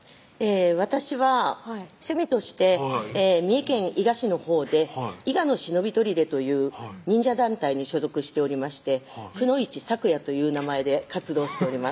私は趣味として三重県伊賀市のほうで伊賀之忍砦という忍者団体に所属しておりましてくのいち咲夜という名前で活動しております